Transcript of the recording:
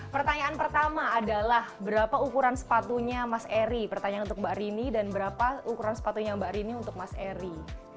pertanyaan pertama adalah berapa ukuran sepatunya mas eri pertanyaan untuk mbak rini dan berapa ukuran sepatunya mbak rini untuk mas eri